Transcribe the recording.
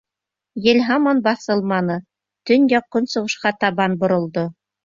Ел һаман баҫылманы, төньяҡ-көнсығышҡа табан боролдо.